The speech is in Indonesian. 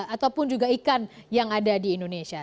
ataupun juga ikan yang ada di indonesia